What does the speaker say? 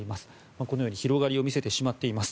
このように広がりを見せてしまっています。